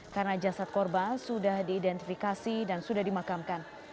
karena jasad korban sudah diidentifikasi dan sudah dimakamkan